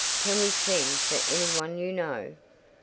"Can we send for any one you know?"